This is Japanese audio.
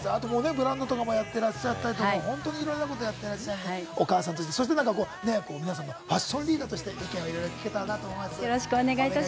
ブランドもやっていらっしゃいますし、いろんなことをやっていらっしゃいます、お母さんということで、そして皆さんのファッションリーダーとしてもいろいろお聞きできたらいいなと思います。